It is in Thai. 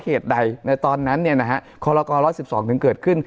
เหตุใดในตอนนั้นเนี่ยนะฮะคล้ากร๑๑๒ถึงเกิดขึ้น